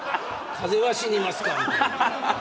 風は死にますかみたいな。